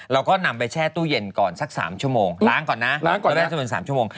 เราก็นำไปแช่ตู้เย็นก่อนสัก๓ชั่วโมงล้างก่อนนะ๓ชั่วโมง